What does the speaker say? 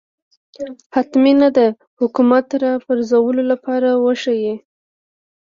حتمي نه ده حکومت راپرځولو لپاره وشي